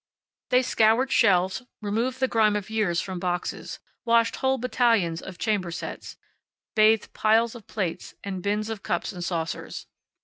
They scoured shelves, removed the grime of years from boxes, washed whole battalions of chamber sets, bathed piles of plates, and bins of cups and saucers.